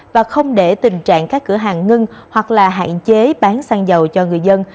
và không để tình trạng các cửa hàng ngưng hoặc là hạn chế bán xăng dầu cho người dân